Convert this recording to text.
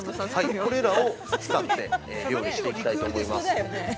これらを使って料理していきたいと思います。